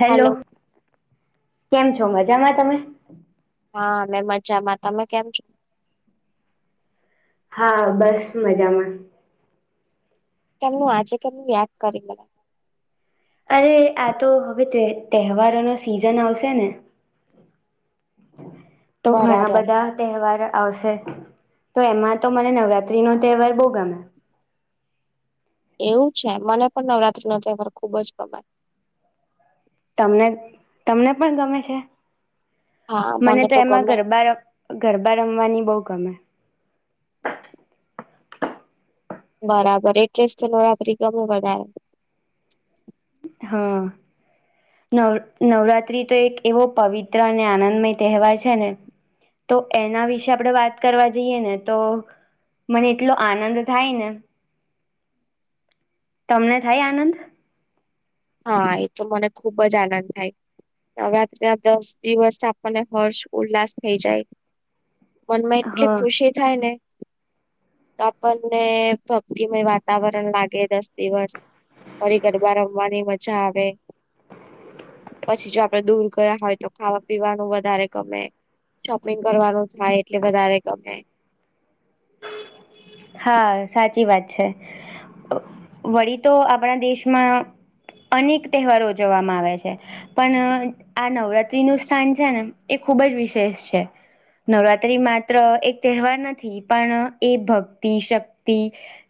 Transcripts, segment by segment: Hello hello કેમ છો મજામાં તમે? હા મેં મજામાં તમે કેમ છો? હા બસ મજામાં. કેમનું આજે કેનું યાદ કરી મને અરે આ તો હવે તહેવારોનો સિઝન આવશે ને તો ઘણા બરાબર બધા તહેવાર આવશે તો એમાં તો મને નવરાત્રીનો તહેવાર બહુ ગમે એવું છે મને પણ નવરાત્રીનો તહેવાર ખુબ જ ગમે તમને તમને પણ ગમે છે મને તો એમાં ગરબા ગરબા રમવાની બોવ ગમે બરાબર એટ્રેસ તો [unintelligible] હા. નવ નવરાત્રી તો એક એવો પવિત્ર અને આનંદમય તહેવાર છે ને તો એના વિશે આપણેે વાત કરવા જઈએ ને તો મને એટલો આનંદ થાય ને તમને થાય આનંદ? હા એ તો મને ખુબ જ આનંદ થાય. નવરાત્રી ના દસ દિવસ આપણને હર્ષ ઉલ્લાસ થઈ જાય. મનમાં એટલી હા ખુશી થાય ને તો આપણને ભક્તિમય વાતાવરણ લાગે દસ દિવસ ફરી ગરબા રમવાની મજા આવે. પછી જો આપડે દૂર ગયા હોય તો ખાવા પીવાનું વધારે ગમે શોપિંગ કરવાનું થાય એટલે વધારે ગમે હા સાચી વાત છે. વળી તો આપણા દેશમાં અનેક તહેવારો ઉજવવામાં આવે છે પણ આ નવરાત્રીનું સ્થાન છે ને એ ખૂબ જ વિશેષ છે નવરાત્રી માત્ર એક તહેવાર નથી. પણ એ ભક્તિ શક્તિ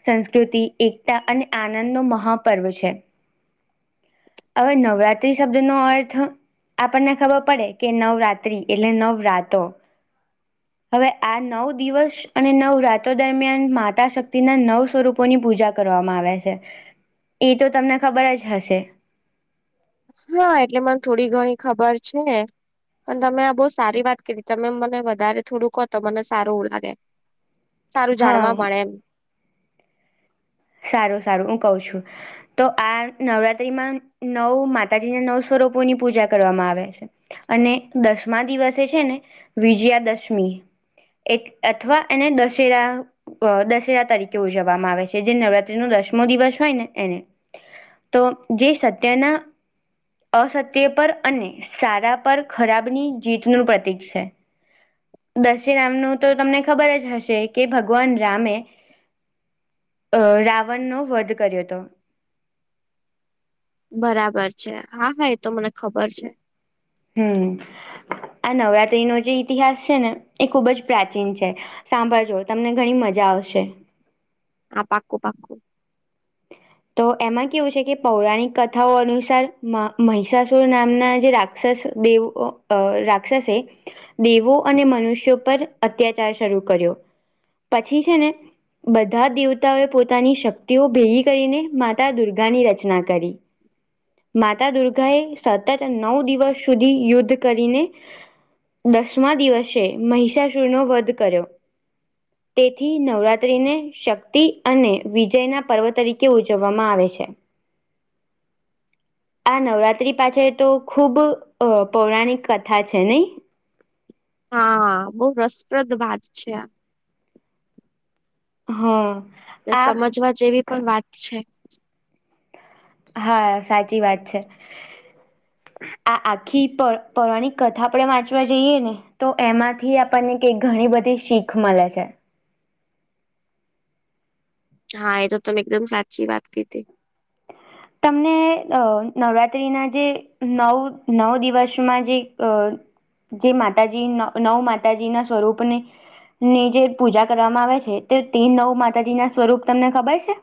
સંસ્કૃતિ એકતા અને આનંદ નો મહાપર્વ છે. હવે નવરાત્રી શબ્દનો અર્થ આપણને ખબર પડે કે નવરાત્રી એટલે નવરાતો હવે આ નવ દિવસ અને નવરાતો દરમિયાન માતા શક્તિ ના નવ સ્વરૂપોની પૂજા કરવામાં આવે છે. એ તો તમને ખબર જ હશે. હા એટલે મને થોડી ઘણી ખબર છે. પણ તમે આ બહુ સારી વાત કર તમે મને વધારે થોડું કહો તો મને સારું એવું લાગે સારું જાણવા હા મળે એમ. સારું સારું હું કઉ છું તો આ નવરાત્રીમાં નવ માતાજીના નવ સ્વરૂપોની પૂજા કરવામાં આવે છે. અને દસમા દિવસે છે ને વિજયા દશમી અથવા એને દશેરા દશેરા તરીકે ઉજવવામાં આવે છે. જે નવરાત્રી નો દસમો દિવસ હોય ને એને તો જે સત્યના અસત્ય પર અને સારા પર ખરાબની જીતનુંું પ્રતીક છે. દશરામ ન તો તમને ખબર જ હશે કે ભગવાન રામે અ રાવણનો વધ કર્યો હતો. બરાબર છે હા હા એ તો મને ખબર છે. હમ્મ આ નવરાત્રીનો જે ઇતિહાસ છે ને એ ખુબ જ પ્રાચીન છે. સાંભળજો તમને ઘણી મજા આવશે. હા પાકું પાકું. [inaudible] તો એમાં કેવું છે કે પૌરાણિક કથાઓ અનુસાર મિષાસુર નામના જે રાક્ષસ દેવ રાક્ષસે દેવો અને મનુષ્યો પર અત્યાચાર શરૂ કર્યો. પછી છે ને બધા દેવતાઓએ પોતાની શક્તિઓ ભેગ કરીને માતા દુર્ગાની રચના કરી. માતા દુર્ગા એ સતત નવ દિવસ સુધી યુદ્ધ કરીને. દસમા દિવસે મહિષાસુરનો વધ કર્યો. તેથી નવરાત્રીને શક્તિ અને વિજય ના પર્વ તરીકે કેવ ઉજવવામાં આવે છે. આ નવરાત્રી પાછ તો ખૂબ પૌરાણિક કથા છે નહી. હા બહુ રસપ્રદ વાત છે આ. હા. એ આ સમજવા જેવી પણ વાત છે. હા સાચી વાત છે આ. આખી પરવાની કથા આપડે વાંચવા જઈએ ને તો એમાંથી આપણને ક ઘણી બધી શીખ મળે છે. હા એ તો તમે એકદમ સાચી વાત કી હતી. તમને નવરાત્રીના જે નવ નવ દિવસમાં જે જે માતાજી નવ માતાજી ના સ્વરૂપને ની જે પૂજા કરવામાં આવે છે તે તે નવ માતાજી ના સ્વરૂપ તમને ખબર છે.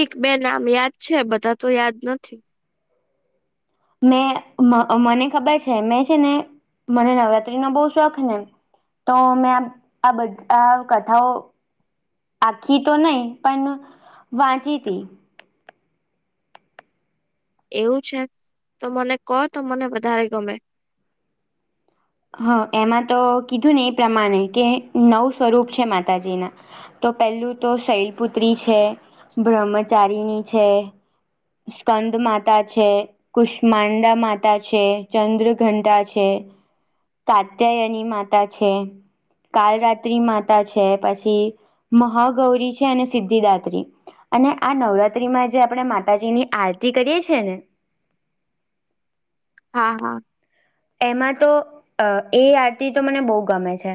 એક બે નામ યાદ છે બધા તો યાદ નથી. મે મને ખબર છે મેં છે ને મને નવરાત્રી નો બહુ શોખને. તો મેં આ બધ કથાઓ. આખી તો નહી પણ વાંચી હતી. એવું છે તો મને કો તો મને વધારે ગમે. હા એમાં તો કીધું ને એ પ્રમાણે કે નવ સ્વરૂપ છે માતાજીના. તો પેલું તો શૈલપુત્રી છે બ્રહ્મચારીની છે. સ્કંદ માતા છે. કુષ્માંડા માતા છે ચંદ્રઘંટા છે. તાતય ની માતા છે. કાલરાત્રી માતા છે પછી મહાગૌરી છે અને સિદ્ધિદાત્રી. અને આ નવરાત્રી માં જે આપણે માતાજીની આરતી કરીએે છીએ ને. હા હા. એમાં તો એ આરતી તો મને બહુ ગમે છે.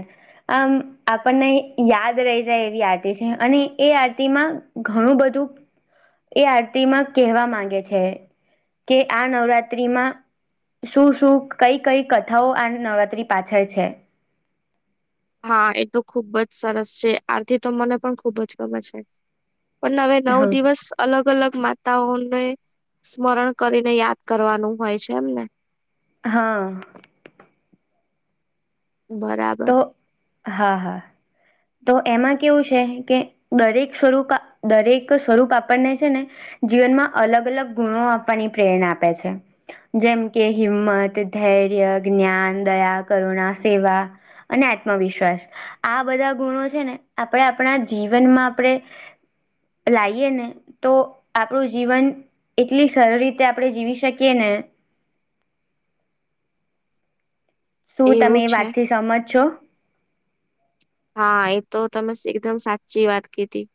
આમ આપણને યાદ રહી જાય એવી આરતી છે અને એ આરતી માં. ઘણું બધું એ આરતી માં કહેવા માંગે છે. કે આ નવરાત્રીમાં શું શું કઈ કઈ કથાઓ આ નવરાત્રી પાછળ છે. હા એ તો ખુબ જ સરસ છે આરથી તો મને પણ ખુબ જ ગમે છે. પણ હવે નવ હા દિવસ અલગ અલગ માતાઓને સ્મરણ કરીને યાદ કરવાનું હોય છે એમને. હા બરાબ તો હા હા તો એમાં કેવું છે કે દરેક સ્વરૂપ દરેક સ્વરૂપ આપણને છે ને જીવનમાં અલગ અલગ ગુણો આપવાની પ્રેરણા આપે છે. જેમ કે હિંમત ધૈર્ય જ્ઞાન દયા કરુણા સેવા અને આત્મવિશ્વાસ આ બધા ગુણો છે ને આપડે આપડા જીવનમાં આપડે લાઈએ ને તો આપડુ જીવન એટલી સરળ રીતે આપડે જીવી શકીએ ને. શું તમે એવું એ છે. વાતથી સહમત છો. હા એ તો તમે એકદમ સાચી વાત કીધી.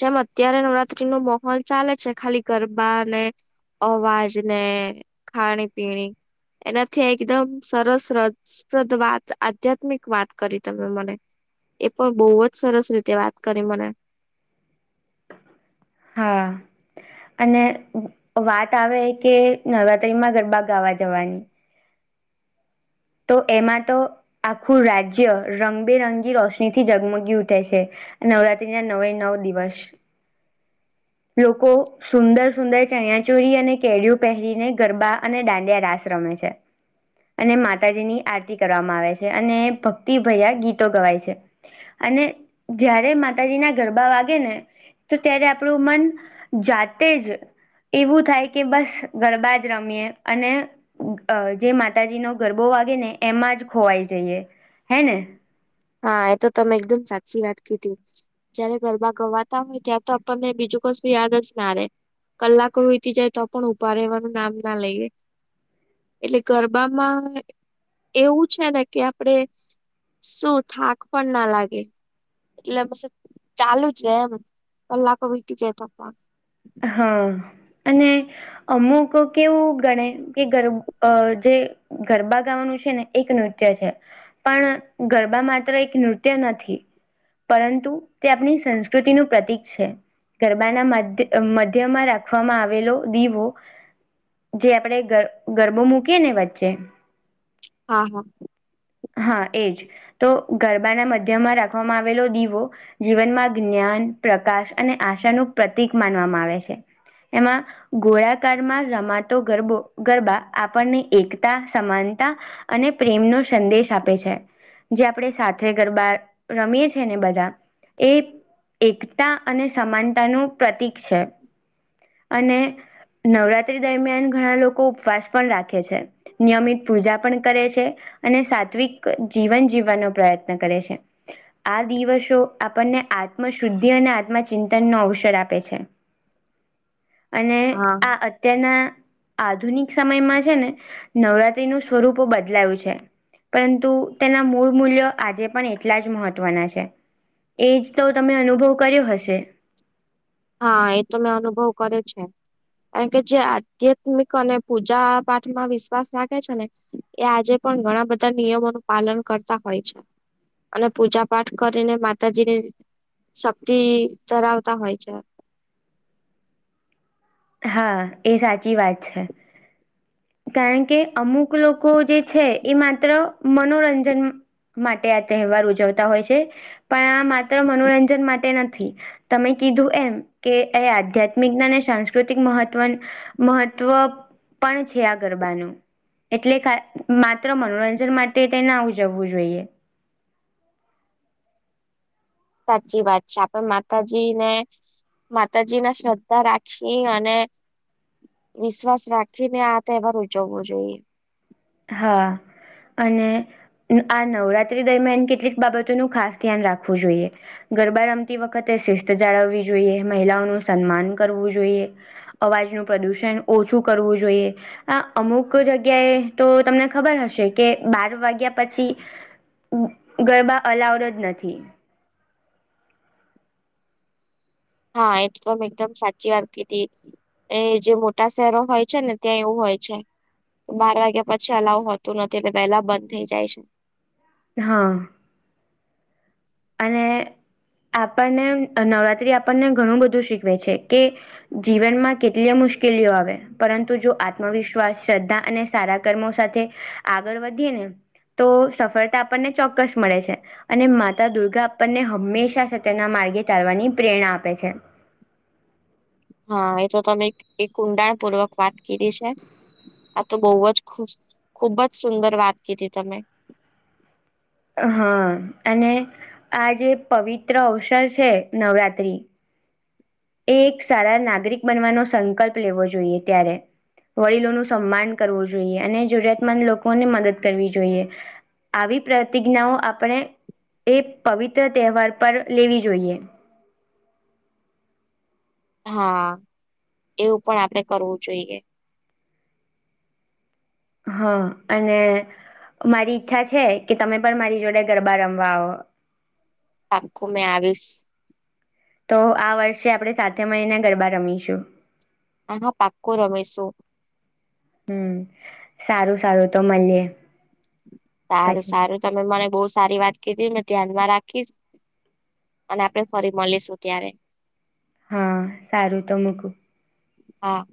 જેમ અત્યારે નવરાત્રી નો માહોલ ચાલે છે ખાલી ગરબા અને અવાજ ને ખાણી પીણી એનાથી એકદમ સરસ રસપ્રદ વાત આધ્યાત્મિક વાત કરી તમે મને એ પણ બહુ જ સરસ રીતે વાત કરી મને. હા અને વાત આવે કે નવરાત્રી માં ગરબા ગાવા જવાની. તો એમાં તો આખું રાજ્ય રંગબેરંગી રોશનીથી જગમગી ઉઠે છે. નવરાત્રી ના નવે નવ દિવસ. લોકો સુંદર સુંદર ચનયાચુરી અને કેડિયું પહેરીને ગરબા અને દાંડિયા રાસ રમે છે. અને માતાજીની આરતી કરવામાં આવે છે. અને ભક્તિભયા ગીતો ગવાય છે. અને જયારે માતાજી ના ગરબા વાગે ને તો ત્યારે આપણે આપણું મન જાતે જ એવું થાય કે બસ ગરબા જ રમીએ અને જે માતાજી નો ગરબો વાગે ને એમાં જ ખોવાઈ જઈએ, હે ને? હા એ તો તમે એકદમ સાચી વાત કીધી. જયારે ગરબા ગવાતા હોય ત્યાં તો આપણને બીજું કશું યાદ જ ના આવે. કલાકો વીતી જાય તો પણ ઊભા રહેવાનું નામ ના લઈએ એટલે ગરબામાં એવું છે ને કે આપડે શું થાક પણ ના લાગે. એટલે બસ ચાલુ જ ર એમ કલાકો વીતી જાય તો. હા અને અમુક કેવું ગણે કે ગર જે, ગરબા ગાવાનું છે ને એક નૃત્ય છે. પણ ગરબા માત્ર એક નૃત્ય નથી પરંતુ તે આપણી સંસ્કૃતિનું પ્રતીક છે. ગરબાના માધ્ય મધ્યમાં રાખવામાં આવેલો દીવો જે આપણેે ગરબો મૂકીએ ને વચ્ચે, હા હા. હા એજ તો ગરબાના મધ્યમાં રાખવામાં આવેલો દીવો, જીવનમાં જ્ઞાન પ્રકાશ અને આશાનું પ્રતિક માનવામાં આવે છે. એમાં ગોળાકારમાં રમાતો ગરબો ગરબા આપણને એકતા, સમાનતા અને પ્રેમનો સંદેશ આપે છે. જે આપણે સાથે ગરબા રમીએ છે, ને બધા એ એકતા અને સમાનતાનું પ્રતીક છે અને નવરાત્રી દરમિયાન ઘણા લોકો ઉપવાસ પણ રાખે છે. નિયમિત પૂજા પણ કરે છે. અને સાત્વિક જીવન જીવવાનો પ્રયત્ન કરે છે. આ દિવસો આપણને આત્મ શુદ્ધિ અને આત્મચિંતન નો અવસર આપે છે. અને હા આ અત્યારના આધુનિક સમયમાં છે ને નવરાત્રીનું સ્વરૂપ બદલાયું છે. પરંતુ તેના મૂળ મૂલ્ય આજે પણ એટલા જ મહત્વના છે. એજ તો તમે અનુભવ કર્યો હશે. હા એ તો મેં અનુભવ કર્યો છે. કારણ કે જે આધ્યાત્મિક અને પૂજા પાઠમાં વિશ્વાસ રાખે છે ને, એ આજે પણ ઘણા બધા નિયમોનું પાલન કરતા હોય છે. અને પૂજા પાઠ કરીને માતાજી ને શક્તિ ધરાવતા હોય છે. હા એ સાચી વાત છે. કારણ કે અમુક લોકો જે છે એ માત્ર મનોરંજન માટે આ તહેવાર ઉજવતા હોય છે. પણ આ માત્ર મનોરંજન માટે નથી. તમે કીધું એમ કે એ આધ્યાત્મિક જ્ઞાન અને સાકૃતિક મહત્વ મહત્વ પણ છે આ ગરબાનું. એટલે માત્ર મનોરંજન માટે તે ના ઉજવવું જોઈએ. સાચી વાત છે. આપણે માતાજી ને માતાજીને શ્રદ્ધા રાખી અને વિશ્વાસ રાખીને આ તહેવાર ઉજવવો જોઈએ. હા અને આ નવરાત્રી દરમિયાન કેટલીક બાબતોનું ખાસ ધ્યાન રાખવું જોઈએ ગરબા રમતી વખતે શિસ્ત જાળવવી જોઈએ મહિલાઓનું સન્માન કરવું જોઈએ અવાજ નું પ્રદુષણ ઓછું કરવું જોઈએ આ અમુક જગ્યાએ તો તમને ખબર હશે કે બાર વાગ્યા પછી ગરબા અલાઉડ જ નથી હા એકદમ એકદમ સાચી વાત કીધી એ જે મોટા શહેરો હોય છે ને ત્યાં એવું હોય છે બાર વાગ્યા પછી અલાઉ હોતું નથી એટલે પેલા બંધ થઇ જાય છે હા અને આપણને નવરાત્રી આપણને ઘણું બધું શીખવે છે કે જીવનમાં કેટલીય મુશ્કેલીઓ આવે પરંતુ જો આત્મવિશ્વાસ શ્રદ્ધા અને સારા કર્મો સાથે આગળ વધીએ ને તો સફળતા આપણને ચોક્કસ મળે છે અને માં દુર્ગા આપણને હંમેશા સ્યના માર્ગે ચાલવાની પ્રેરણા આપે છે હા એ તો તમે એક ઊંડાણ પૂર્વક વાત કરી છે આ તો બઉ જ ખુબ જ સુંદર વાત કીધી તમે હા અને આ જે પવિત્ર અવસર છે નવરાત્રી એ એક સારા નાગરિક બનવાનો સંકલ્પ લેવો જોઈએ ત્યારે વડીલોનું સન્માન કરવું જોઈએ અને જરૂરિયાતમંદ લોકોને મદદ કરવી જોઈએ આવી પ્રતિજ્ઞાઓ આપણે એ પવિત્ર તહેવાર પર લેવી જોઈએ હા એવું પણ આપડે કરવું જોઈએ હા અને મારી ઈચ્છા છે કે તમે પણ મારી જોડે ગરબા રમવા આવો પાકું મે આવીશ તો આ વર્ષે આપણે સાથે મહિના ગરબા રમીશું આ હા પાક્કુ રમિશુ હમ સારું સારું તો મળીએ સારું પછી સારું તમે મને બહુ સારી વાત કીધી મે ધ્યાનમાં રાખીશ અને આપડણે ફરી મળીશું ત્યારે હા સારું તો મૂકું હા